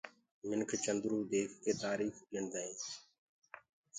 منک چندرو ديک ڪي تآريٚک گُڻدآ هينٚ